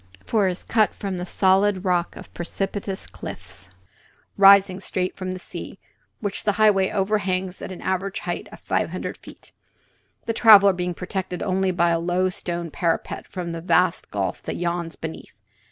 For it is cut from the solid rock of precipitous cliffs rising straight from the sea, which the highway overhangs at an average height of five hundred feet, the traveller being protected only by a low stone parapet from the vast gulf that yawns beneath.